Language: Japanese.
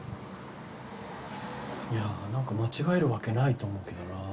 いやー何か間違えるわけないと思うけどな。